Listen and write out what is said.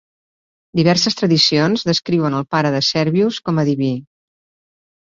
Diverses tradicions descriuen el pare de Servius com a diví.